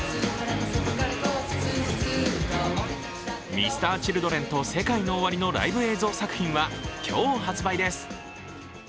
Ｍｒ．ＣｈｉｌｄｒｅｎとＳＥＫＡＩＮＯＯＷＡＲＩのライブ映像作品は今日発売です。